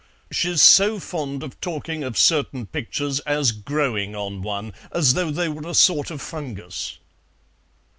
"She's so fond of talking of certain pictures as 'growing on one,' as though they were a sort of fungus."